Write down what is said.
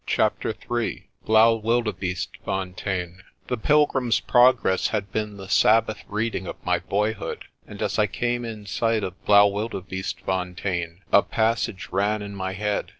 CHAPTER III BLAAUWILDEBEESTEFONTEIN THE "Pilgrim's Progress" had been the Sabbath reading of my boyhood, and as I came in sight of Blaauwildebeestefon tein a passage ran in my head.